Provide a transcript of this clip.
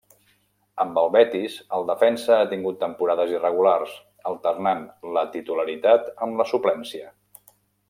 Amb el Betis, el defensa ha tingut temporades irregulars, alternant la titularitat amb la suplència.